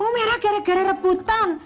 oh merah gara gara rebutan